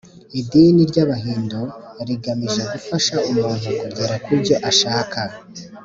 idini ry’abahindu rigamije gufasha umuntu kugera kubyo ashaka